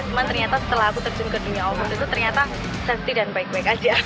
cuman ternyata setelah aku terjun ke dunia output itu ternyata safety dan baik baik aja